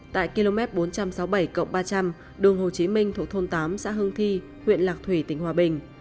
tại km bốn trăm sáu mươi bảy ba trăm linh đường hồ chí minh thuộc thôn tám xã hưng thi huyện lạc thủy tỉnh hòa bình